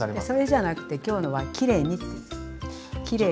それじゃなくて今日のはきれいにって。